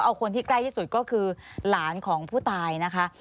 เอาคนที่ใกล้ที่สุดก็คือหลานของผู้ตายนะคะ